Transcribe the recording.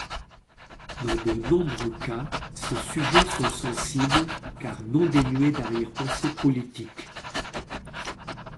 Dans de nombreux cas, ces sujets sont sensibles car non dénués d'arrière-pensées politiques.